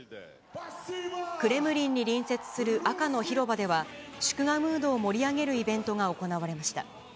クレムリンに隣接する赤の広場では、祝賀ムードを盛り上げるイベントが行われました。